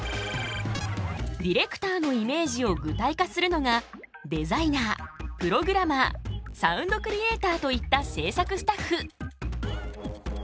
ディレクターのイメージを具体化するのがデザイナープログラマーサウンドクリエーターといった制作スタッフ。